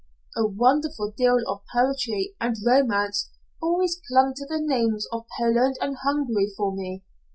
"A wonderful deal of poetry and romance always clung to the names of Poland and Hungary for me.